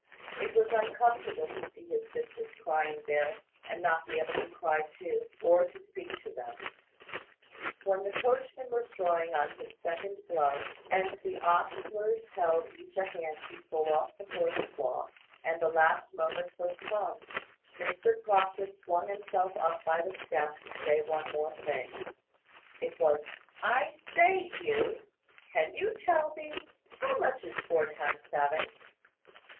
It was uncomfortable to see his sisters crying there, and not to be able to cry too, or to speak to them. When the coachman was drawing on his second glove, and the ostlers held each a hand to pull off the horse cloths, and the last moment was come, Mr Proctor swung himself up by the step, to say one thing more. It was "I say, Hugh, can you tell me, how much is four times seven?"